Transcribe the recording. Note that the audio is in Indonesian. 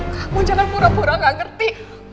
kamu jangan pura pura gak ngerti